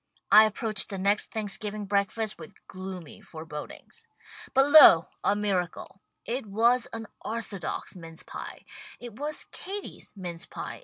I ap proached the next Thanksgiving breakfast with gloomy forebodings. But lo, a miracle. It was an orthodox mince pie. It was Katie's mince pie.